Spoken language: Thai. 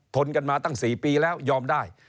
ทนกันมาตั้ง๔ปีแล้วยอมได้